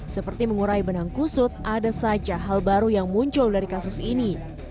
seperti mengurai benang kusut ada saja hal baru yang muncul dari kasus ini